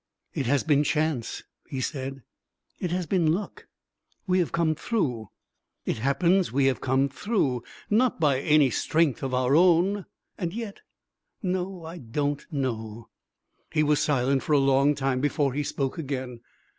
"It has been chance," he said, "it has been luck. We have come through. It happens we have come through. Not by any strength of our own.... "And yet ... No. I don't know." He was silent for a long time before he spoke again.